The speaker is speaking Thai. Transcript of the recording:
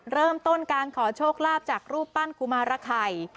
เริ่มต้นการขอโชคลาภจากรูปปั้นกุมารไข่